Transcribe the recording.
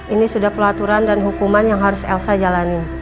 ini sudah pelaturan dan hukuman yang harus elsa jalanin